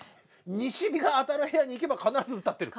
西陽が当たる部屋に行けば必ず歌ってる？